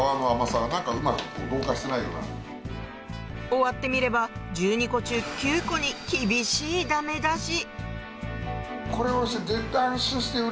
終わってみれば１２個中９個に厳しいダメ出し